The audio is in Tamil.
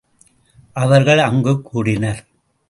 அவர்கள் அங்குக் கூடினர்.